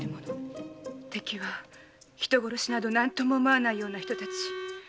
敵は人殺しなど何とも思わない人たち。